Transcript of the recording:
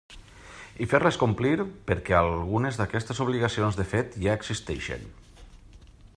I fer-les complir, perquè algunes d'aquestes obligacions, de fet, ja existeixen.